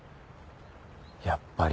やっぱり。